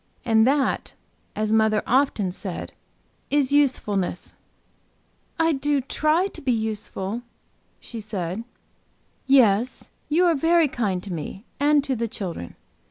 And that; as mother often said, is usefulness." "I do try to be useful," she said. "Yes, you are very kind to me and to the children.